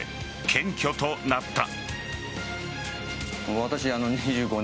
検挙となった。